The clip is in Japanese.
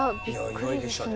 意外でしたね。